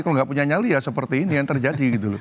kalau nggak punya nyali ya seperti ini yang terjadi gitu loh